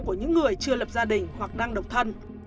của những người chưa lập gia đình hoặc đang độc thân